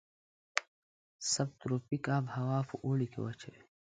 سب تروپیک آب هوا په اوړي کې وچه وي.